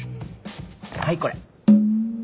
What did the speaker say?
はいこれ。